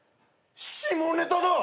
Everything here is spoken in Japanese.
下ネタだ！